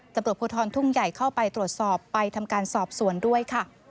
ตำรวจภูทรทุ่งใหญ่เข้าไปตรวจสอบไปทำการสอบสวนด้วยค่ะ